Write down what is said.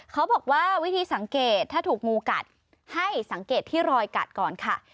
เขาบอกว่าวิธีสังเกตถ้าถูกงูกัดให้สังเกตที่รอยกัดก่อนค่ะ